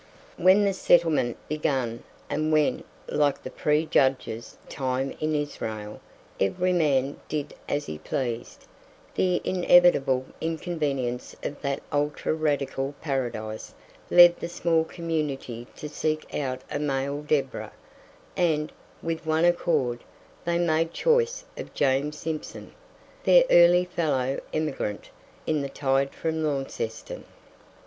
When "The Settlement" began, and when, like the pre Judges time in Israel, every man did as he pleased, the inevitable inconvenience of that ultra radical paradise led the small community to seek out a male Deborah, and, with one accord, they made choice of James Simpson, their early fellow emigrant in the tide from Launceston.